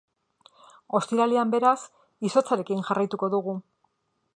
Ostiralean, beraz, izotzarekin jarraituko dugu.